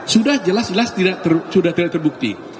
sudah jelas jelas sudah tidak terbukti